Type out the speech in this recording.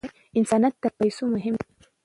انسانیت تر پیسو مهم دی.